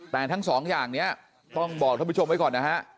แต่ทั้งสองอย่างนี้ต้องบอกท่านผู้ชมไว้ก่อนนะฮะ